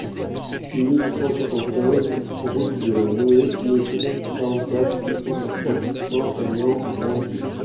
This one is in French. six mille cent soixante-quinze route de la Noë Nozou, quarante-quatre, huit cent soixante, Saint-Aignan-Grandlieu